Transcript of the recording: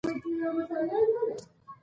هغه د ژوند او امید ستاینه کوي.